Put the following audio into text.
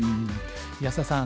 安田さん